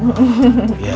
makasih banyak bu sarah